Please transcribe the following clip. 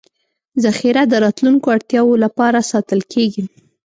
ذخیره د راتلونکو اړتیاوو لپاره ساتل کېږي.